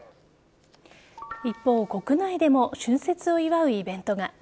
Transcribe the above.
一方、国内でも春節を祝うイベントが。